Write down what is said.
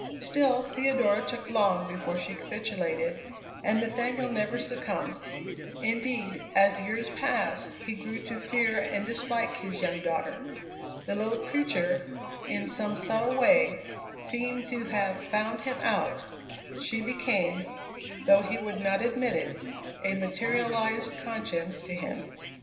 Still Theodora took long before she capitulated, and Nathaniel never succumbed. Indeed, as years passed he grew to fear and dislike his young daughter. The little creature, in some subtle way, seemed to have "found him out"; she became, though he would not admit it, a materialized conscience to him.